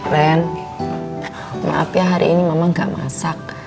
ren maaf ya hari ini memang gak masak